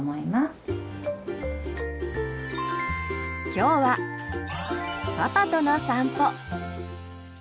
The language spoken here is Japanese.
今日はパパとの散歩。